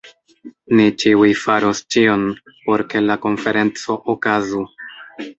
Ni ĉiuj faros ĉion, por ke la konferenco okazu.